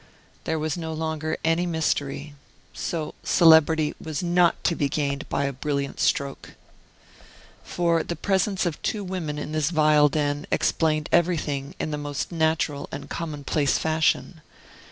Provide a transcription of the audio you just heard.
There was no longer any mystery , so celebrity was not to be gained by a brilliant stroke! For the presence of two women in this vile den explained everything in the most natural and commonplace fashion.